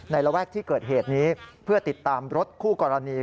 ระแวกที่เกิดเหตุนี้เพื่อติดตามรถคู่กรณี